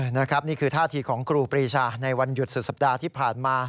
นี่คือท่าทีของครูปรีชาในวันหยุดสุดสัปดาห์ที่ผ่านมา